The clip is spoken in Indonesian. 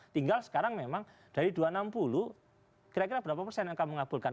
tinggal sekarang memang dari dua ratus enam puluh kira kira berapa persen yang akan mengabulkan